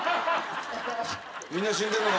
みんな死んでるのか？